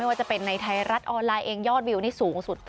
ว่าจะเป็นในไทยรัฐออนไลน์เองยอดวิวนี่สูงสุด